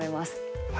はい。